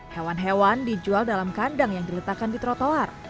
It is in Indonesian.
hewan hewan dijual dalam kandang yang diletakkan di trotoar